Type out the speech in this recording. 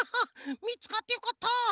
みつかってよかったフフフフ！